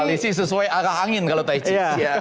koalisi sesuai arah angin kalau tai chi